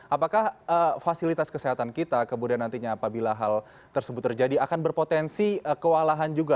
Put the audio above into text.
apakah fasilitas kesehatan kita kemudian nantinya apabila hal tersebut terjadi akan berpotensi kewalahan juga